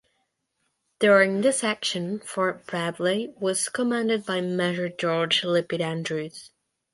During this action, Fort Preble was commanded by Major George Lippitt Andrews.